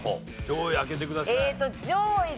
上位開けてください。